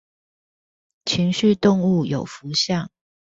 情緒動物有福相